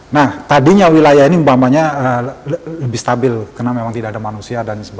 nah tadinya wilayah ini umpamanya lebih stabil karena memang tidak ada manusia